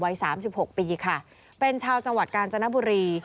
วัย๓๖ปีค่ะเป็นชาวจังหวัดกาญจนบุรี